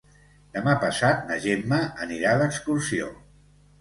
Demà passat na Gemma anirà d'excursió.